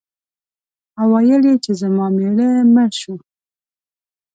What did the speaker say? او ویل یې چې زما مېړه مړ شو.